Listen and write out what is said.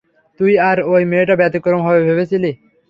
তুই আর অই মেয়েটা ব্যতিক্রম হবে ভেবেছিলি?